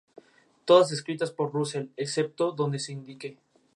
A finales de año se trasladó a Castellón, por enfermedad.